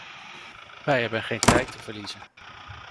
Wij hebben geen tijd te verliezen.